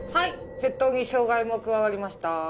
窃盗に傷害も加わりました。